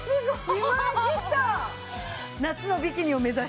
２万円切った！